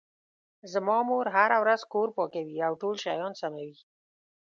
زما مور هره ورځ کور پاکوي او ټول شیان سموي